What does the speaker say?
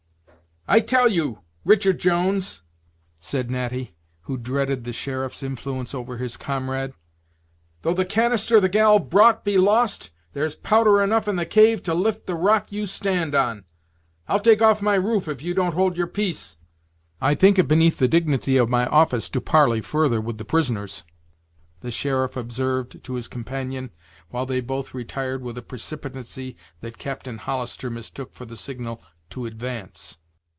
"I tell you, Richard Jones," said Natty, who dreaded the sheriff's influence over his comrade; "though the canister the gal brought be lost, there's powder enough in the cave to lift the rock you stand on. I'll take off my roof if you don't hold your peace." "I think it beneath the dignity of my office to parley further with the prisoners," the sheriff observer to his companion, while they both retired with a precipitancy that Captain Hollister mistook for the signal to advance.